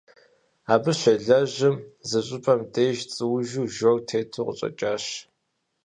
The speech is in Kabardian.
Абы щелэжьым зыщӏыпӏэ деж цӏуужу жор тету къыщӏэщащ.